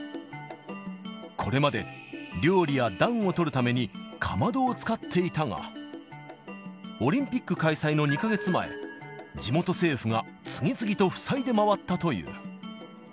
これまで料理や暖をとるために、かまどを使っていたが、オリンピック開催の２か月前、地元政府が次々と塞いで回ったという。